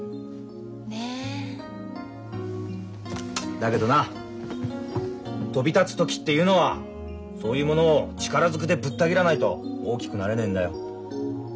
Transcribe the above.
だけどな飛び立つ時っていうのはそういうものを力ずくでぶった切らないと大きくなれねえんだよ。